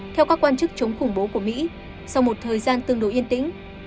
theo các quan chức chống khủng bố của mỹ sau một thời gian tương đối yên tĩnh